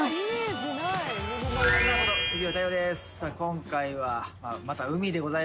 さあ今回はまた。